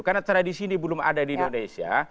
karena tradisi ini belum ada di indonesia